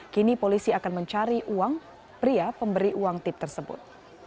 kini polisi akan mencari uang pria pemberi uang tip tersebut